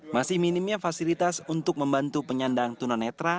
masih minimnya fasilitas untuk membantu penyandang tuna netra